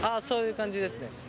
そういう感じですね。